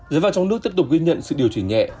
giá vàng trong nước tiếp tục ghi nhận sự điều chỉnh nhẹ